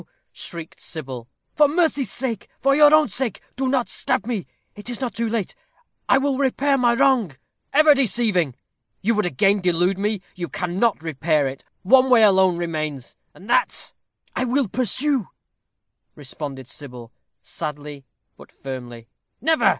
shrieked Sybil; "for mercy's sake, for your own sake, do not stab me. It is not too late. I will repair my wrong!" "Ever deceiving! you would again delude me. You cannot repair it. One way alone remains, and that " "I will pursue," responded Sybil, sadly, but firmly. "Never!"